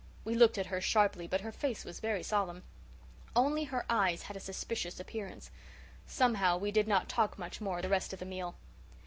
We looked at her sharply but her face was very solemn. Only her eyes had a suspicious appearance. Somehow, we did not talk much more the rest of the meal.